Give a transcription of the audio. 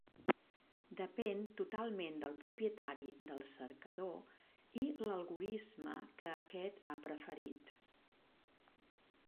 Depèn totalment del propietari del cercador i l'algorisme que aquest ha preferit.